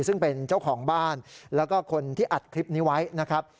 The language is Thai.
ซึ่งเป็นเจ้าของบ้านแล้วก็คนที่อัดคลิปนี้ไว้นะครับ